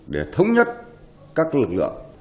để thống nhất các lực lượng